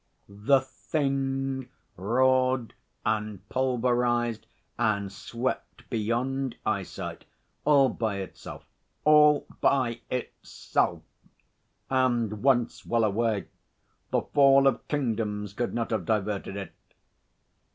The thing roared and pulverised and swept beyond eyesight all by itself all by itself. And once well away, the fall of kingdoms could not have diverted it.